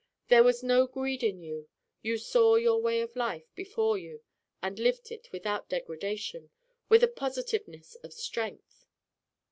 There was no greed in you. You saw your way of life before you and lived it without degradation, with a positiveness of strength.